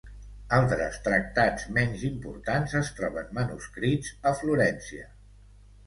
Altres tractats menys importants es troben manuscrits a Florència.